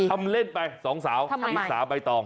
ทำเล่นไปสองสาวชิสาใบตอง